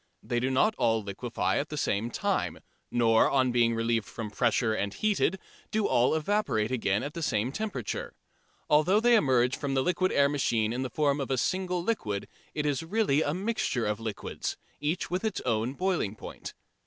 They do not all liquefy at the same time, nor on being relieved from the pressure and heated do all evaporate again at the same temperature. Although they emerge from the liquid air machine in the form of a single liquid, it is really a mixture of liquids, each with its own boiling point.